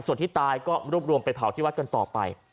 ส่วนที่ตายก็รวบรวมไปเผาที่วัดกันต่อไป